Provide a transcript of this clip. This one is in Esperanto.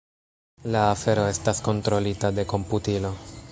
La afero estas kontrolita de komputilo.